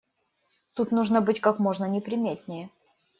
Тут нужно быть как можно неприметнее.